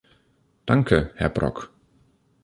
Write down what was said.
Danke, Herr Brok.